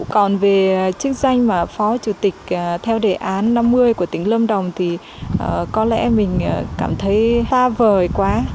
còn về chức danh mà phó chủ tịch theo đề án năm mươi của tỉnh lâm đồng thì có lẽ mình cảm thấy ha vời quá